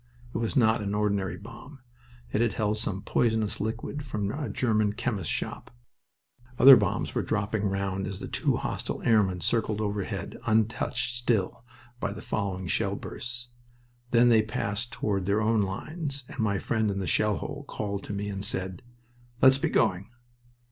It was not an ordinary bomb. It had held some poisonous liquid from a German chemist's shop. Other bombs were dropping round as the two hostile airmen circled overhead, untouched still by the following shell bursts. Then they passed toward their own lines, and my friend in the shell hole called to me and said, "Let's be going."